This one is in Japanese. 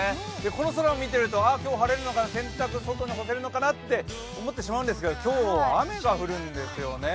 この空を見てると、今日、晴れるのかな、洗濯物、外に干せるのかなと思ってしまうんですけど、今日は雨が降るんですよね。